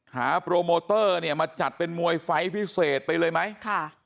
โปรโมเตอร์เนี่ยมาจัดเป็นมวยไฟล์พิเศษไปเลยไหมค่ะ